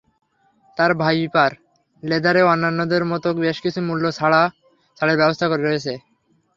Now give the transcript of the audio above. তাঁর ভাইপার লেদারে অন্যান্যদের মতো বেশ কিছু মূল্য ছাড়ের ব্যবস্থা রয়েছে।